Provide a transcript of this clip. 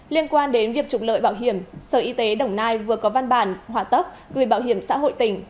liên quan đến việc trục lợi bảo hiểm sở y tế đồng nai vừa có văn bản hỏa tốc gửi bảo hiểm xã hội tỉnh